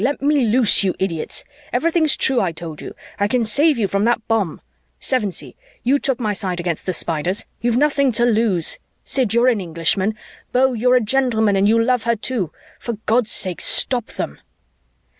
Let me loose, you idiots! Everything's true I told you I can save you from that bomb. Sevensee, you took my side against the Spiders; you've nothing to lose. Sid, you're an Englishman. Beau, you're a gentleman and you love her, too for God's sake, stop them!"